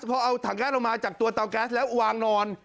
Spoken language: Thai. พอเอาถังแก๊สลงมาจากตัวเตาแก๊สแล้ววางนอน